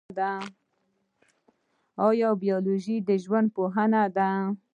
ایا بیولوژي د ژوند پوهنه ده؟